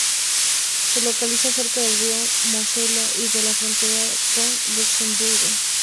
Se localiza cerca del río Mosela y de la frontera con Luxemburgo.